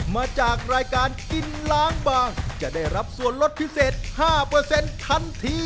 มาจากรายการกินล้างบางจะได้รับส่วนลดพิเศษ๕ทันที